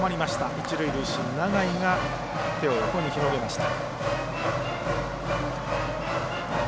一塁塁審の永井が手を横に広げました。